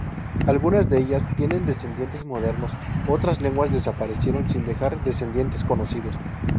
Algunas de ellas tienen descendientes modernos, otras lenguas desaparecieron sin dejar descendientes conocidos.